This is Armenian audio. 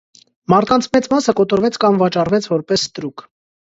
Մարդկանց մեծ մասը կոտորվեց կամ վաճառվեց որպես ստրուկ։